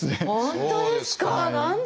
本当ですか？